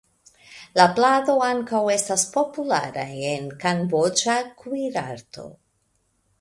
La plado ankaŭ estas populara en kamboĝa kuirarto.